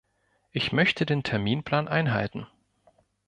Ich möchte den Terminplan einhalten.